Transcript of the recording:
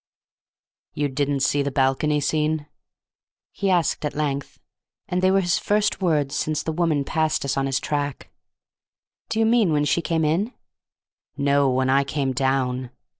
"You didn't see the balcony scene?" he asked at length; and they were his first words since the woman passed us on his track. "Do you mean when she came in?" "No, when I came down."